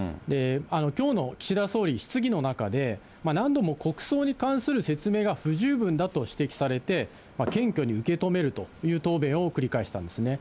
きょうの岸田総理、質疑の中で、何度も国葬に関する説明が不十分だと指摘されて、謙虚に受け止めるという答弁を繰り返したんですね。